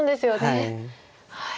はい。